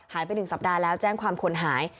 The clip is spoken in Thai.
หายไป๑สัปดาห์แล้วแย่งความควรหาย